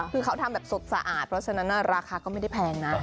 คือเขาทำแบบสดสะอาดเพราะฉะนั้นราคาก็ไม่ได้แพงนะ